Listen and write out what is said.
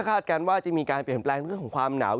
การว่าจะมีการเปลี่ยนแปลงเรื่องของความหนาว